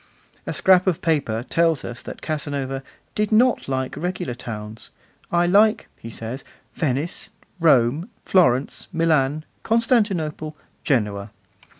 A scrap of paper tells us that Casanova 'did not like regular towns.' 'I like,' he says, 'Venice, Rome, Florence, Milan, Constantinople, Genoa.